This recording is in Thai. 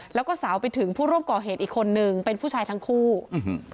จะอยู่ไม่ตึกที่มีเกณฑ์ต้องเดินทางตลอดเวลา